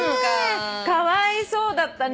かわいそうだったね。